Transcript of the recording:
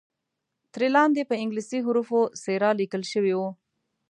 ترې لاندې په انګلیسي حروفو سیرا لیکل شوی وو.